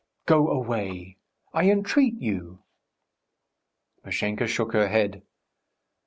go away. I entreat you." Mashenka shook her head.